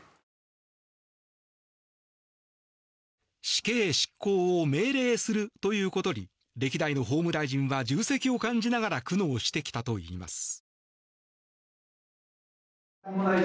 死刑執行を命令するということに歴代の法務大臣は重責を感じながら苦悩してきたといいます。